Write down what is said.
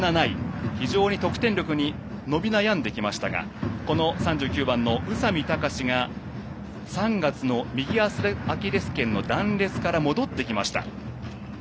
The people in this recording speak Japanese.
非常に得点力伸び悩んできましたが３９歳の宇佐美貴史が３月の右アキレスけんの断裂から戻ってきました。